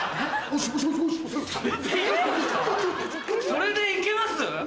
それでいけます？